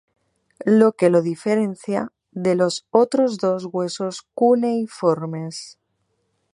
Lo que lo diferencia de los otros dos huesos cuneiformes.